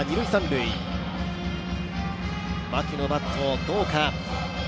牧のバットはどうか。